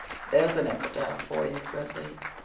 There's an epitaph for you, Prissy.